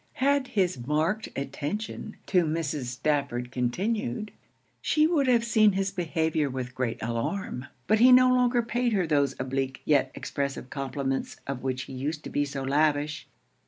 Had his marked attention to Mrs. Stafford continued, she would have seen his behaviour with great alarm; but he no longer paid her those oblique yet expressive compliments of which he used to be so lavish.